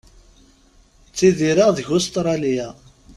Ttidireɣ deg Ustralia.